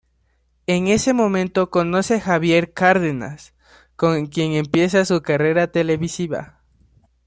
En ese momento conoce a Javier Cárdenas, con quien empieza su carrera televisiva.